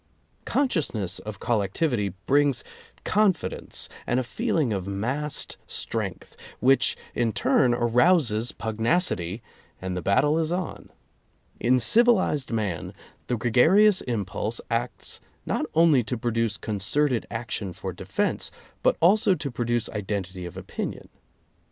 Consciousness of collectivity brings confidence and a feeling of massed strength, which in turn arouses pugnacity and the battle is on. In civilized man, the gregarious impulse acts not only to produce concerted action for defense, but also to produce identity of opinion.